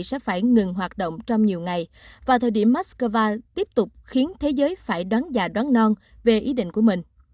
sẽ phải ngừng hoạt động trong nhiều ngày và thời điểm moscow tiếp tục khiến thế giới phải đoán giả đoán non về ý định của mình